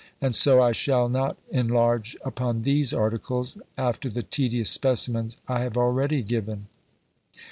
And so I shall not enlarge upon these articles, after the tedious specimens I have already given.